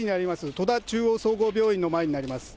戸田中央総合病院の前になります。